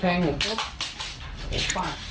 แพงผม